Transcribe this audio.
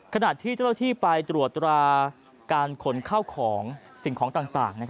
ขณะที่เจ้าหน้าที่ไปตรวจตราการขนเข้าของสิ่งของต่าง